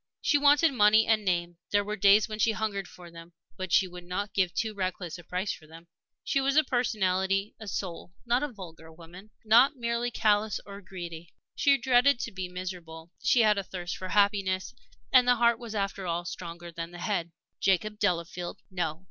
She wanted money and name; there were days when she hungered for them. But she would not give too reckless a price for them. She was a personality, a soul not a vulgar woman not merely callous or greedy. She dreaded to be miserable; she had a thirst for happiness, and the heart was, after all, stronger than the head. Jacob Delafield? No!